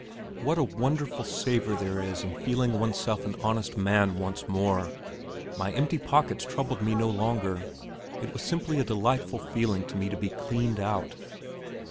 What a wonderful savour there was in feeling oneself an honest man once more! My empty pockets troubled me no longer; it was simply a delightful feeling to me to be cleaned out.